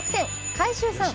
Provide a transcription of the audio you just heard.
「海舟さん」。